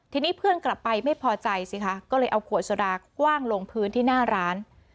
ทีนี้เพื่อนกลับไปไม่พอใจสิคะก็เลยเอาขวดโซดาคว่างลงพื้นที่หน้าร้าน